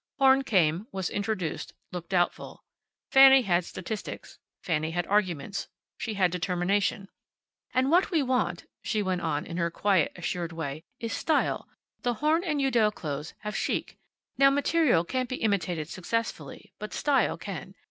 Horn came, was introduced, looked doubtful. Fanny had statistics. Fanny had arguments. She had determination. "And what we want," she went on, in her quiet, assured way, "is style. The Horn & Udell clothes have chic. Now, material can't be imitated successfully, but style can.